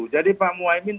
jadi pak muwaimin